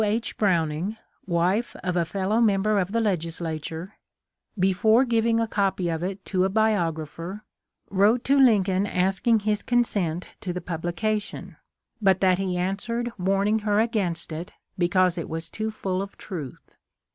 H. Browning, wife of a fellow member of the Legislature — before giving a copy of it to a biographer, wrote to Lincoln asking his consent to the publication, but that he answered warning her against it because it was too full of truth.